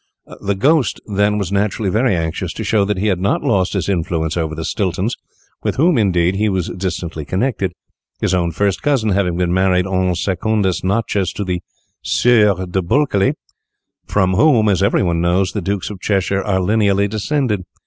The ghost, then, was naturally very anxious to show that he had not lost his influence over the Stiltons, with whom, indeed, he was distantly connected, his own first cousin having been married en secondes noces to the Sieur de Bulkeley, from whom, as every one knows, the Dukes of Cheshire are lineally descended.